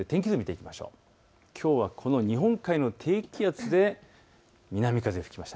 きょうはこの日本海の低気圧で南風が吹きました。